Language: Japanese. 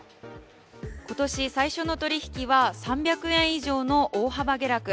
今年最初の取引は３００円以上の大幅下落。